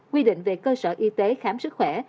quy định về cơ sở y tế khám sức khỏe